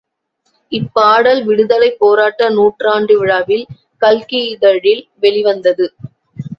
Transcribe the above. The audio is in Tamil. இப்பாடல் விடுதலைப் போராட்ட நூற்றாண்டு விழாவில் கல்கி இதழில் வெளிவந்தது.